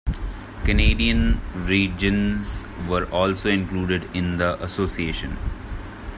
Canadian regions were also included in the Association.